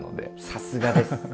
さすがです。